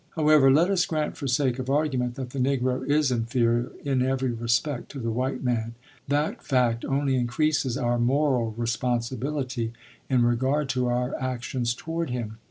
However, let us grant for sake of argument that the Negro is inferior in every respect to the white man; that fact only increases our moral responsibility in regard to our actions toward him.